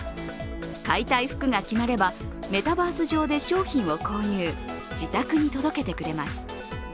買いたい服が決まればメタバース上で商品を購入、自宅に届けてくれます。